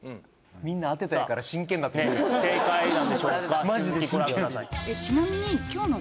みんな当てたいから真剣になってきてる正解なんでしょうか？